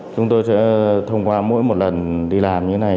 chúng tôi sẽ thông qua mỗi một lần đi làm như thế này